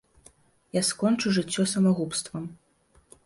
Я скончу жыццё самагубствам.